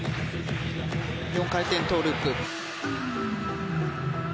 ４回転トーループ。